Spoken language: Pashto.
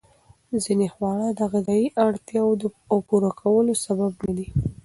ځینې خواړه د غذایي اړتیاوو پوره کولو سبب ندي.